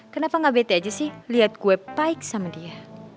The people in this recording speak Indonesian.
kenapa gak bete aja sih liat gue baik sama dia